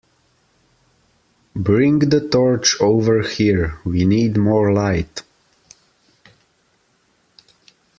Bring the torch over here; we need more light